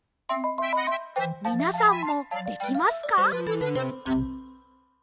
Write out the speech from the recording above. みなさんもできますか？